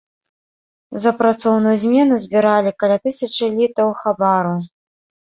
За працоўную змену збіралі каля тысячы літаў хабару.